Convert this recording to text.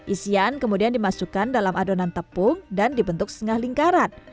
isian kemudian dimasukkan dalam adonan tepung dan dibentuk sengah lingkaran